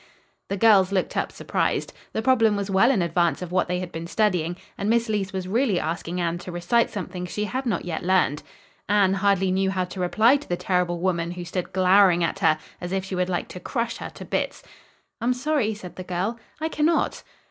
'" The girls looked up surprised. The problem was well in advance of what they had been studying and Miss Leece was really asking Anne to recite something she had not yet learned. Anne hardly knew how to reply to the terrible woman who stood glowering at her as if she would like to crush her to bits. "I'm sorry," said the girl. "I cannot."